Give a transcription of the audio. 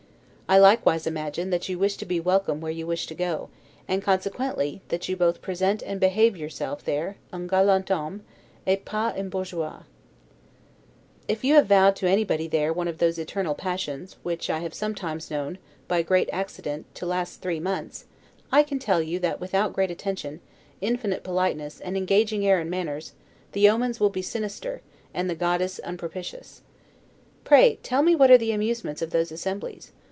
I likewise imagine, that you wish to be welcome where you wish to go; and consequently, that you both present and behave yourself there 'en galant homme, et pas in bourgeois'. If you have vowed to anybody there one of those eternal passions which I have sometimes known, by great accident, last three months, I can tell you that without great attention, infinite politeness, and engaging air and manners, the omens will be sinister, and the goddess unpropitious. Pray tell me what are the amusements of those assemblies?